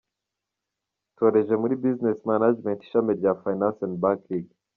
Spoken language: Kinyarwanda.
Nsoreje muri Business Management ishami rya Finance and Banking.